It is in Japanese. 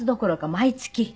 毎月。